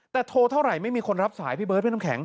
แต่โทรเท่าไหร่ไม่มีคนรับสายพี่เบิร์ดพี่น้ำแข็ง